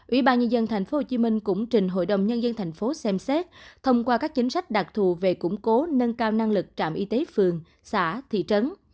ủy ban nhân dân tp hcm cũng trình hội đồng nhân dân tp xem xét thông qua các chính sách đặc thù về củng cố nâng cao năng lực trạm y tế phường xã thị trấn